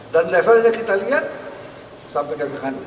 dan levelnya kita lihat sampai ke kanan